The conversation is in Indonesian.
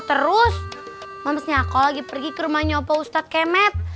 terus mamesnya aku lagi pergi ke rumahnya opa ustaz kemet